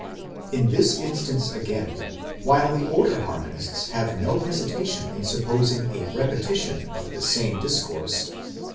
In this instance again, while the older harmonists have no hesitation in: supposing a repetition of the same discourse